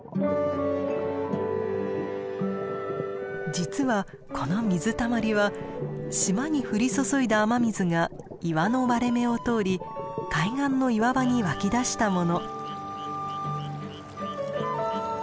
実はこの水たまりは島に降り注いだ雨水が岩の割れ目を通り海岸の岩場に湧き出したもの。